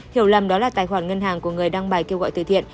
hiểu lầm đó là tài khoản ngân hàng của người đăng bài kêu gọi từ thiện